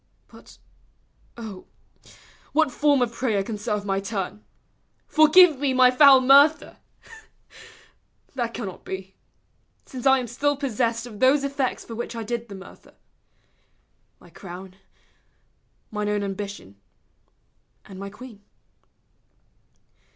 But, O, what form of prayer Can serve my turn? " Forgive me my foul mur der?" That cannot be: since I am still possessed Of those effects for which I did the murder, My crown, mine own ambition and my queen.